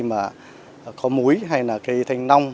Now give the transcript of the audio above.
cây có múi hay là cây thanh nong